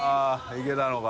◆いけたのか。